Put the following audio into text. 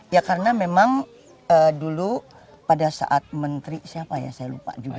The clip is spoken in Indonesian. ya karena memang dulu pada saat menteri siapa ya saya lupa juga